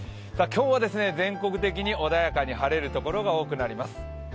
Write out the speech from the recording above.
今日は全国的に穏やかに晴れる所が多くなります。